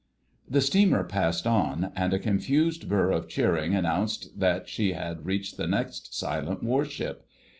The steamer passed on, and a confused burr of cheering announced that she had reached the next silent warship.